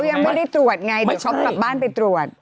ยังไม่ได้ตรวจไงเดี๋ยวช็อปกลับบ้านไปตรวจ